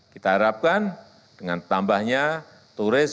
kita harapkan dengan tambahnya turis